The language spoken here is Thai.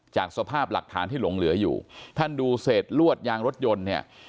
จากสภาพหลักฐานที่หลงเหลืออยู่ท่านดูเศษลวดยางรถยนต์เนี่ย